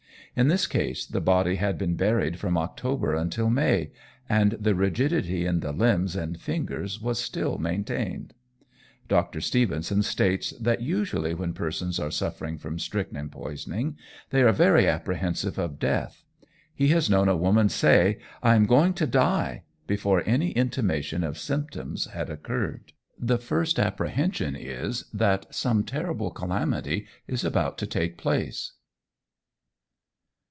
In this case, the body had been buried from October until May, and the rigidity in the limbs and fingers was still maintained. Dr. Stevenson states that usually when persons are suffering from strychnine poisoning, they are very apprehensive of death. He has known a woman say, "I am going to die" before any intimation of symptoms had occurred. The first apprehension is, that some terrible calamity is about to take place.